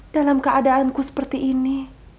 dalam keadaanku seperti ini